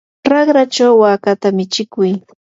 raqrachaw wakata michikuy.